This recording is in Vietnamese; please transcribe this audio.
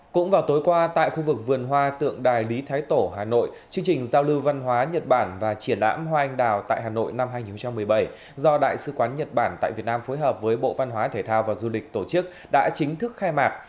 cũng vào tối qua tại khu vực vườn hoa tượng đài lý thái tổ hà nội chương trình giao lưu văn hóa nhật bản và triển lãm hoa anh đào tại hà nội năm hai nghìn một mươi bảy do đại sứ quán nhật bản tại việt nam phối hợp với bộ văn hóa thể thao và du lịch tổ chức đã chính thức khai mạc